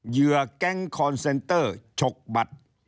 เหยื่อแก๊งคอนเซนเตอร์ฉกบัตร